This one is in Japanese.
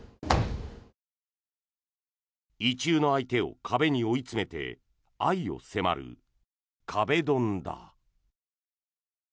意中の相手を壁に追い詰めて愛を迫る、壁ドンだ。